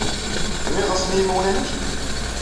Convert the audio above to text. Tennid-asen i yimawlan-nnek?